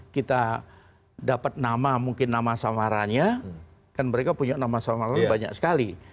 kita dapat nama mungkin nama samaranya kan mereka punya nama samara banyak sekali